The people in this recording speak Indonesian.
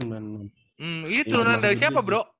ini turunan dari siapa bro